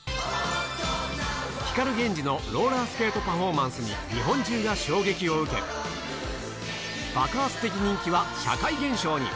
光ＧＥＮＪＩのローラースケートパフォーマンスに日本中が衝撃を受け、爆発的人気は社会現象に。